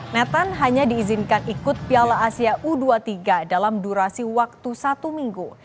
nethan hanya diizinkan ikut piala asia u dua puluh tiga dalam durasi waktu satu minggu